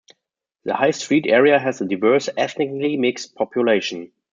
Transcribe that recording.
The High Street area has a diverse, ethnically mixed population.